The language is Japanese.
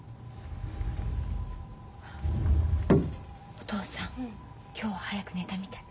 お父さん今日は早く寝たみたい。